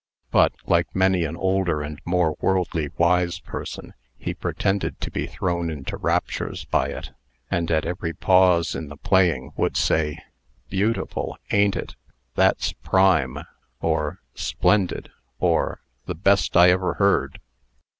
But, like many an older and more worldly wise person, he pretended to be thrown into raptures by it, and, at every pause in the playing, would say, "Beautiful! a'n't it?" "That's prime!" or "Splendid!" or "The best I ever heerd."